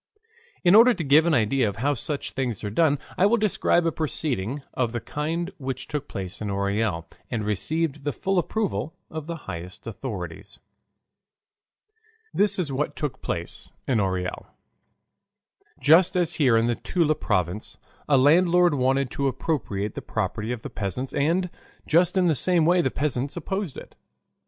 In order to give an idea of how such things are done I will describe a proceeding of the kind which took place in Orel, and received the full approval of the highest authorities. This is what took place in Orel. Just as here in the Toula province, a landlord wanted to appropriate the property of the peasants and just in the same way the peasants opposed it.